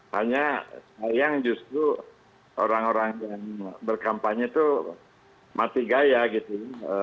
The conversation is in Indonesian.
hanya sayang justru orang orang yang berkampanye itu mati gaya gitu